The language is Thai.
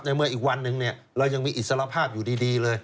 เมื่ออีกวันหนึ่งเรายังมีอิสรภาพอยู่ดีเลย